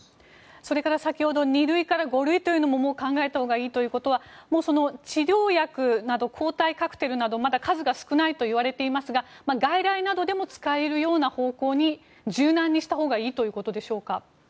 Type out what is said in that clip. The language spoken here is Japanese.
そして先ほど２類から５類というのももう考えたほうがいいということは、治療薬など抗体カクテルなど数が少ないといわれていますが外来などでも使えるような方向に柔軟にしたほうがいいということでしょうか？